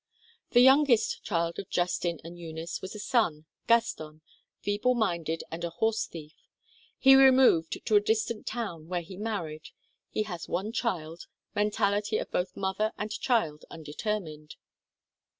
The youngest child of Justin and Eunice was a son, Gaston, feeble minded and a horse thief ; he removed to a distant town where he married. He has one child ; mentality of both mother and child undetermined.